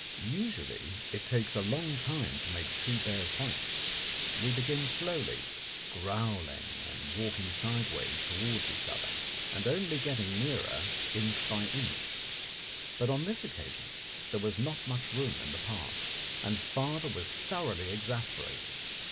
Usually it takes a long time to make two bears fight. We begin slowly, growling and walking sideways towards each other, and only getting nearer inch by inch. But on this occasion there was not much room in the path, and father was thoroughly exasperated.